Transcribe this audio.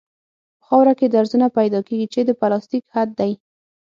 په خاوره کې درزونه پیدا کیږي چې د پلاستیک حد دی